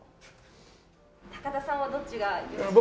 高田さんはどっちがよろしいですか？